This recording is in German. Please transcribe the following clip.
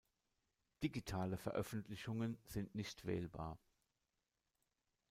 Digitale Veröffentlichungen sind nicht wählbar.